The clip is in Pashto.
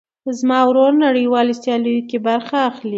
زما ورور نړيوالو سیاليو کې برخه اخلي.